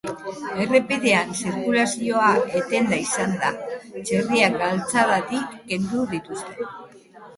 Errepidean zirkulazioa etenda izan da, txerriak galtzadatik kendu dituzten.